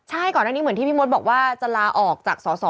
ใช่ก่อนอันนี้เหมือนที่พี่มดบอกว่าจะลาออกจากสอสอ